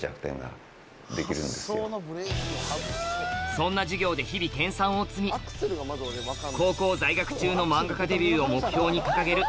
そんな授業で日々高校在学中のマンガ家デビューを目標に掲げる